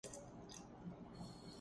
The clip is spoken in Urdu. روپے کی وقعت جلد بحال نہ ہوگی۔